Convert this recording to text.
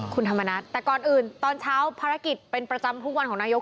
คุณธรรมนัฐแต่ก่อนอื่นตอนเช้าภารกิจเป็นประจำทุกวันของนายก